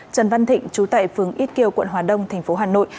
trần văn thịnh chú tại phường ít kiều quận hòa đông thành phố hà nội